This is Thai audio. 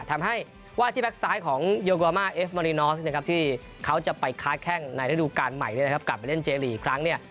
ทำให้ว่าที่แก๊กซ้ายของโยโกมาเอฟมารินอสนะครับที่เขาจะไปค้าแข้งในระดูการใหม่กลับไปเล่นเจรีย์อีกครั้งเนี่ย